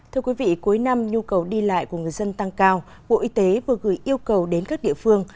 thưa quý vị cuối năm nhu cầu đi lại của người dân tăng cao bộ y tế vừa gửi yêu cầu đến các địa phương